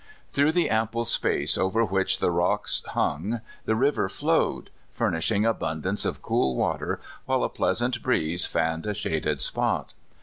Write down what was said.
Through the ample space over which the rocks hung the river flowed, furnishing abundance of cool water, while a pleasant breeze fanned a shaded spot.